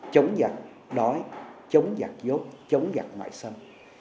chống giặc đói chống giặc dốt chống giặc ngoại xâm